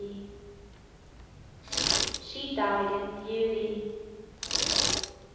_) SHE DIED IN BEAUTY.